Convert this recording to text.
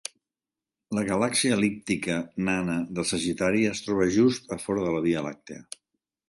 La galàxia el·líptica nana de Sagitari es troba just a fora de la Via Làctia.